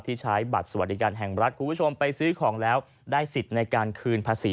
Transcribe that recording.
ใช้บัตรสวัสดิการแห่งรัฐคุณผู้ชมไปซื้อของแล้วได้สิทธิ์ในการคืนภาษี